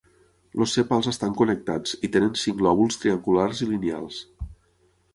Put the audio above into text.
Els sèpals estan connectats i tenen cinc lòbuls triangulars i lineals.